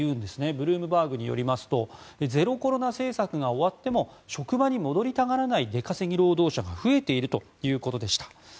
ブルームバーグによりますとゼロコロナ政策が終わっても職場に戻りたがらない出稼ぎ労働者が増えているということでした。